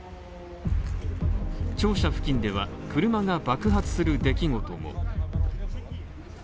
庁舎付近では、車が爆発する出来事も。